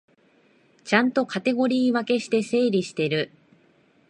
ちゃんとカテゴリー分けして整理してる